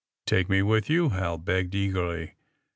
Take me with you," Hal begged eagerly.